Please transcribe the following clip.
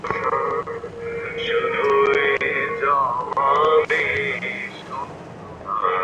ভারতীয় cricket board ইঙ্গিত দিয়েছিল, সেটা হতে পারে মুম্বাই কিংবা কলকাতায়।